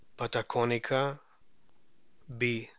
patachonica, B.